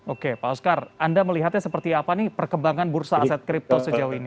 oke pak oscar anda melihatnya seperti apa nih perkembangan bursa aset kripto sejauh ini